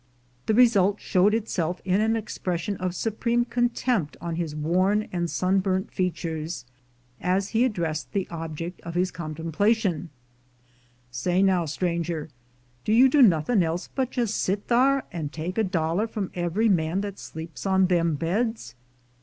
The result showed itself in an expression of supreme contempt on his worn and sunburnt features, as he addressed the object of his contemplation: "Say now, stranger, do you do nothin' else but just sit thar and take a dollar from every man that sleeps on them beds?"